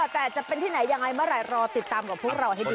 แต่จะเป็นที่ไหนยังไงเมื่อไหร่รอติดตามกับพวกเราให้ดี